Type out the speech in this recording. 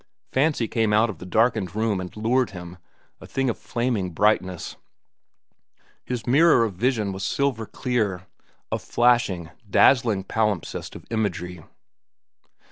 Fancy came out of the darkened room and lured him on, a thing of flaming brightness. His mirror of vision was silver clear, a flashing, dazzling palimpsest of imagery.